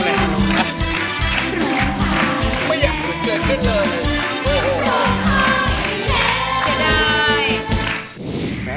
ไม่อยากรู้เกินขึ้นเลย